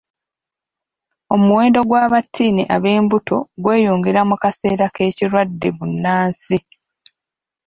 Omuwendo gw'abatiini ab'embuto gweyongera mu kaseera k'ekirwadde bbunansi.